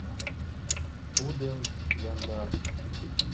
Тудын яндар